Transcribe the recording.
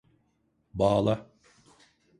Bağla.